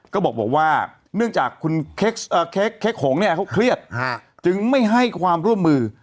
ก็บอกว่าเนื่องจากเขาเครี๊ดจึงไม่ให้ความร่วมมือ